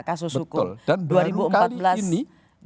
kasus hukum dan baru kali ini